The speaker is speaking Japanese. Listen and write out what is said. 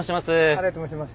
新井と申します。